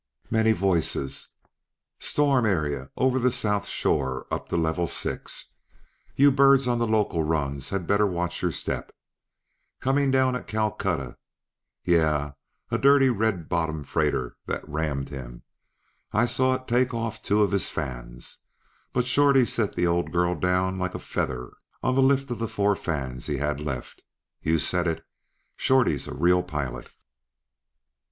Many voices: "Storm area, over the South shore up to Level Six. You birds on the local runs had better watch your step" ..." coming down at Calcutta. Yeah, a dirty, red bottomed freighter that rammed him. I saw it take off two of his fans, but Shorty set the old girl down like a feather on the lift of the four fans he had left. You said it Shorty's a real pilot...."